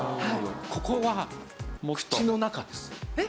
ここは口の中です。